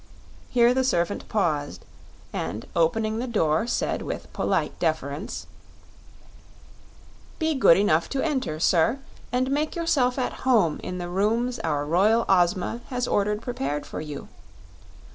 Here the servant paused, and opening the door said with polite deference: "Be good enough to enter, sir, and make yourself at home in the rooms our Royal Ozma has ordered prepared for you.